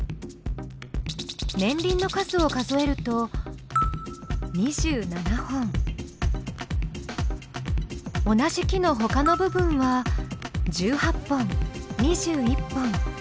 年輪の数を数えると同じ木のほかの部分は１８本２１本２５本。